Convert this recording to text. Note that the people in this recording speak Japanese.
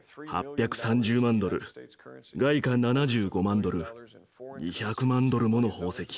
８３０万ドル外貨７５万ドル２００万ドルもの宝石。